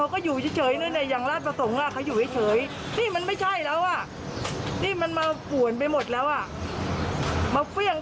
ครับ